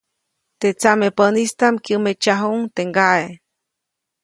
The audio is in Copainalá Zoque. Teʼ tsamepäʼnistaʼm kyämeʼtsajuʼuŋ teʼ ŋgaʼe.